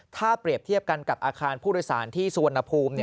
ถ้าเปรียบเทียบกันกับอาคารผู้โดยสารที่สุวรรณภูมิ